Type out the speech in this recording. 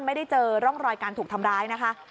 ไม่ได้เจอร่องรอยการถูกทำร้ายนะคะ